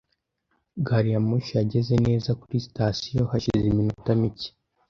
Gari ya moshi yageze neza kuri sitasiyo hashize iminota mike .